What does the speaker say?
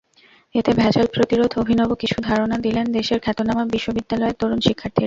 এতে ভেজাল প্রতিরোধে অভিনব কিছু ধারণা দিলেন দেশের খ্যাতনামা বিশ্ববিদ্যালয়ের তরুণ শিক্ষার্থীরা।